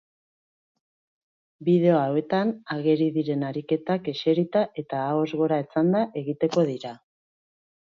Bideo hauetan ageri diren ariketak eserita eta ahoz gora etzanda egiteko dira.